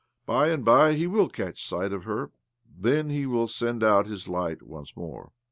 By and by he will catch sight of her. Then he will send out his light once more."